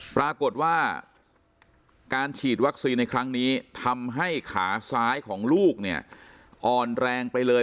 ปรากฏว่าการฉีดวัคซีนในครั้งนี้ทำให้ขาซ้ายของลูกเนี่ยอ่อนแรงไปเลย